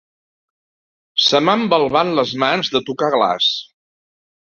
Se m'han balbat les mans de tocar glaç.